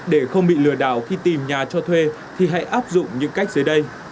để không bị lừa đảo khi tìm nhà cho thuê thì hãy áp dụng những cách dưới đây